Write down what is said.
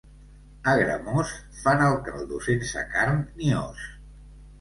A Gramós fan el caldo sense carn ni os.